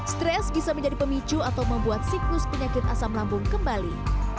stres bisa menjadi pemicu atau membuat siklus penyakit asam lambung kembali